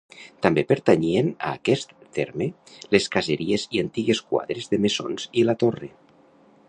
També pertanyien a aquest terme les caseries i antigues quadres de Mesons i la Torre.